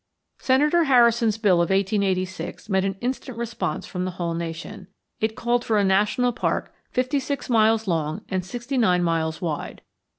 Senator Harrison's bill of 1886 met an instant response from the whole nation. It called for a national park fifty six miles long and sixty nine miles wide.